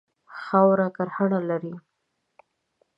خاوره کرهڼه لري.